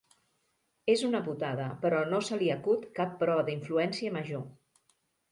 És una putada però no se li acut cap prova d'influència major.